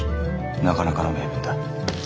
なかなかの名文だ。